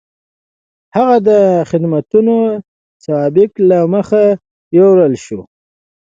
د هغه د خدمتونو سوابق له منځه یووړل شول.